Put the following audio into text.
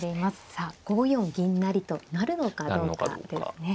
さあ５四銀成と成るのかどうかですね。